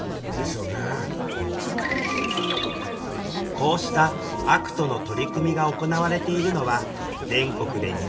こうしたＡＣＴの取り組みが行われているのは全国で２０か所ほど。